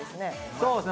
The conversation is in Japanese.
そうですね。